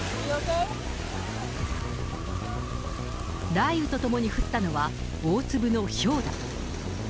雷雨と共に降ったのは大粒のひょうだ。